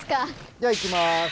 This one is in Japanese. じゃいきます。